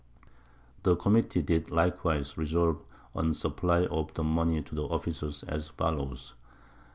The Committee did likewise resolve on a Supply of Money to the Officers, as follows.